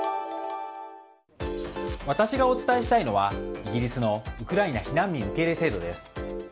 私がお伝えしたいのはイギリスのウクライナ避難民受け入れ制度です。